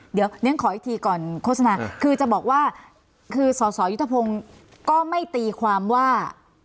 เดี๋ยวฉันขออีกทีก่อนโฆษณาคือจะบอกว่าคือสสยุทธพงศ์ก็ไม่ตีความว่า